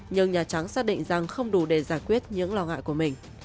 nhưng nhà trắng xác định rằng không đủ để giải quyết những lo ngại của mình